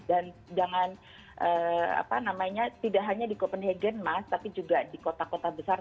dan tidak hanya di copenhagen mas tapi juga di kota kota besar